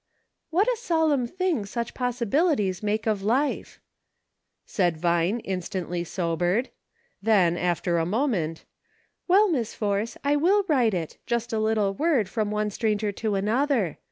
2/1 "What a solemn thing such possibilities make of life," said Vine, instantly sobered ; then, after a moment, "well. Miss Force, I will write it, just a little word, from one stranger to another.